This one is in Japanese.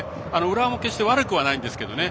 浦和も決して悪くはないんですけどね